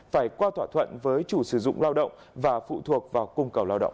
phải qua thỏa thuận với chủ sử dụng lao động và phụ thuộc vào cung cầu lao động